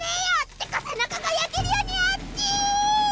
てか背中が焼けるようにあっちぃ！